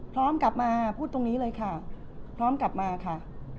พร้อมกลับมาพูดตรงนี้เลยค่ะพร้อมกลับมาค่ะ